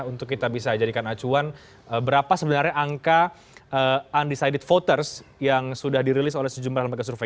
untuk kita bisa jadikan acuan berapa sebenarnya angka undecided voters yang sudah dirilis oleh sejumlah lembaga survei